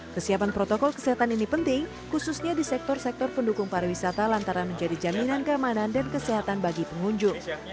kesiapan protokol kesehatan ini penting khususnya di sektor sektor pendukung pariwisata lantaran menjadi jaminan keamanan dan kesehatan bagi pengunjung